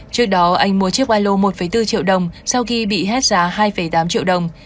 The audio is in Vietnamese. trước đó anh mua chiếc ba lô một bốn triệu đồng sau khi bị hết giá hai tám triệu đồng